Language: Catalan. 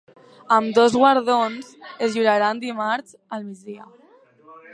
Ambdós guardons es lliuraran dimarts a migdia.